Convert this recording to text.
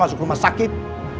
masuk rumah sakit